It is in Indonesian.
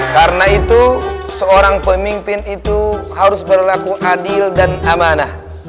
karena itu seorang pemimpin itu harus berlaku adil dan amanah